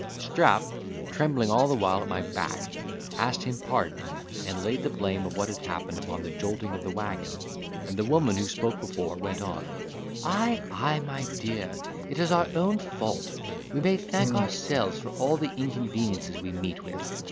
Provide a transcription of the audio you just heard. Strap, trembling all the while at my back, asked him pardon, and laid the blame of what had happened upon the jolting of the waggon; and the woman who spoke before went on: "Ay, ay, my dear, it is our own fault; we may thank ourselves for all the inconveniences we meet with.